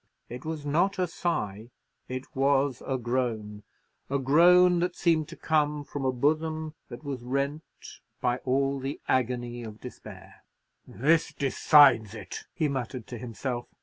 It was not a sigh, it was a groan—a groan that seemed to come from a bosom that was rent by all the agony of despair. "This decides it!" he muttered to himself.